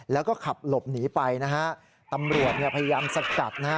แล้วก็ขับหลบหนีไปตำรวจพยายามสกัด